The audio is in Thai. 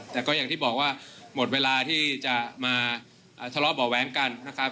แต่ก็อย่างที่บอกว่าหมดเวลาที่จะมาทะเลาะเบาะแว้งกันนะครับ